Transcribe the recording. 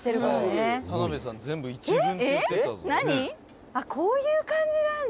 「えっ？こういう感じなんだ」